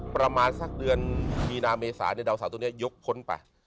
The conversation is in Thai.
ประมาณสักเดือนมีนาเมษาเนี่ยดาวเสาตัวเนี่ยยกพ้นไป